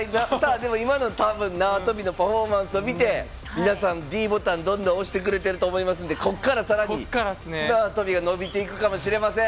でも、今のなわとびのパフォーマンスを見て皆さん、ｄボタンどんどん押してくれてると思いますんでここから、さらになわとびが伸びていくかもしれません。